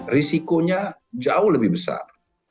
risikonya jauh lebih besar